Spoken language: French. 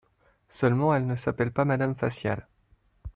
Seulement elle ne s'appelle pas Madame Facial.